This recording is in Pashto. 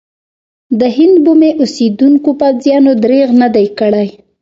د هند بومي اوسېدونکو پوځیانو درېغ نه دی کړی.